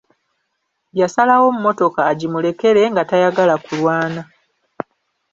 Yasalawo mmotoka agimulekere nga tayagala kulwana.